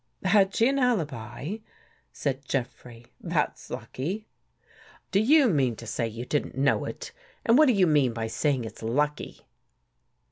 "Had she an alibi?" said Jeffrey. "That's lucky." " Do you mean to say you didn't know it? And what do you mean by saying it's lucky?